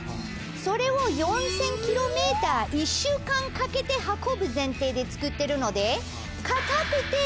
それを４０００ｋｍ１週間かけて運ぶ前提で作ってるので。